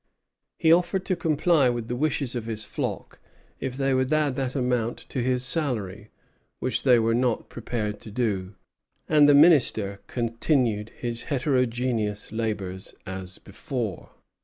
He offered to comply with the wishes of his flock if they would add that amount to his salary, which they were not prepared to do, and the minister continued his heterogeneous labors as before.